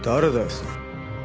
それ。